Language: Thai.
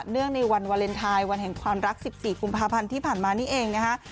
ในวันวาเลนไทยวันแห่งความรัก๑๔กุมภาพันธ์ที่ผ่านมานี่เองนะคะ